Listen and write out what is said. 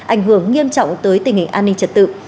ảnh hưởng nghiêm trọng tới tình hình an ninh trật tự